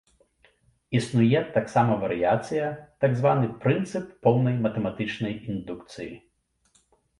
Існуе таксама варыяцыя, так званы прынцып поўнай матэматычнай індукцыі.